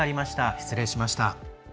失礼いたしました。